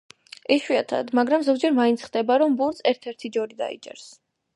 იშვიათად, მაგრამ ზოგჯერ მაინც ხდება, რომ ბურთს ერთ-ერთი „ჯორი“ დაიჭერს.